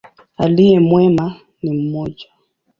Aliye mwema ni mmoja.